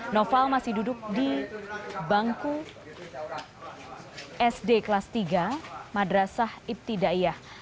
noval masih duduk di bangku sd kelas tiga madrasah ibtidaiyah